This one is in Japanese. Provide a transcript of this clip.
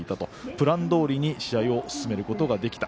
プランどおりに試合を進めることができた。